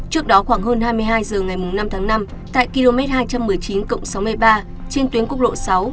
trước đó khoảng hơn hai mươi hai h ngày năm tháng năm tại km hai trăm một mươi chín cộng sáu mươi ba trên tuyến quốc lộ sáu